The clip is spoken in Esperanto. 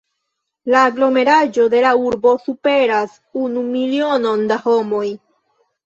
La aglomeraĵo de la urbo superas unu milionon da homoj.